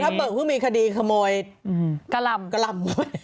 ปูทะเบิกเพิ่งมีคดีขโมยกะลำ